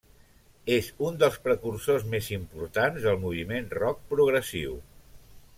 És un dels precursors més importants del moviment rock progressiu.